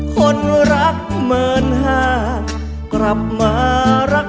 ลงรถทวงเมืองราชสี่มา